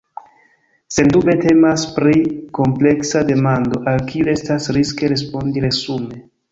Sendube temas pri kompleksa demando al kiu estas riske respondi resume.